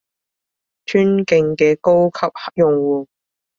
尊敬嘅高級用戶